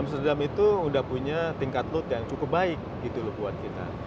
amsterdam itu sudah punya tingkat load yang cukup baik gitu loh buat kita